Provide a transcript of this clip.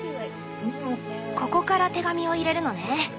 ここから手紙を入れるのね。